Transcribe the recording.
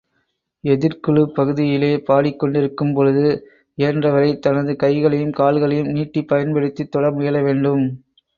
எதிர்க்குழு பகுதியிலே பாடிக் கொண்டிருக்கும் பொழுது இயன்றவரை, தனது கைகளையும் கால்களையும் நீட்டிப் பயன்படுத்தித் தொட முயல வேண்டும்.